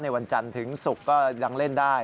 วันจันทร์ถึงศุกร์ก็ยังเล่นได้